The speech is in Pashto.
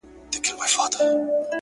ژوند څه دی پيل يې پر تا دی او پر تا ختم”